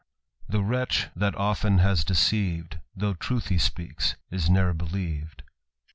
The wretch that often has deceiv'd. Though truth he speaks, is ne'er believ'd.